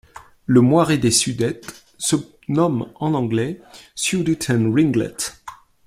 Le Moiré des Sudètes se nomme en anglais Sudeten Ringlet.